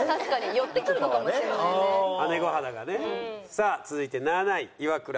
さあ続いて７位イワクラ。